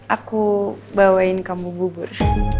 aku bawain kamu bubur